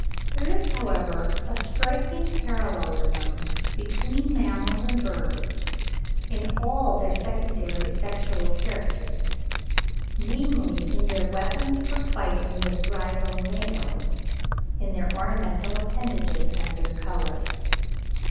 There is, however, a striking parallelism between mammals and birds in all their secondary sexual characters, namely in their weapons for fighting with rival males, in their ornamental appendages, and in their colours.